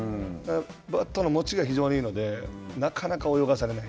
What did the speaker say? バットの持ちが非常にいいので、なかなか泳がされない。